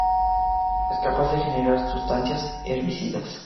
Es capaz de generar sustancias herbicidas.